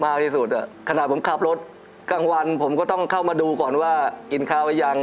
มากที่สุดขนาดผมขับรถกลางวันผมก็ต้องเข้ามาดูก่อนว่ากินข้าวยัง